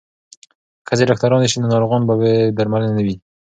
که ښځې ډاکټرانې شي نو ناروغان به بې درملنې نه وي.